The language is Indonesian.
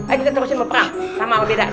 ayo kita terusin beprah sama apa beda